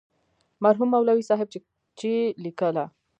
مرحوم مولوي صاحب چې لیکله.